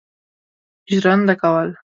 ژرنده کول.